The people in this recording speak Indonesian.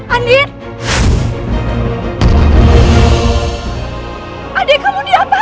adik kamu diam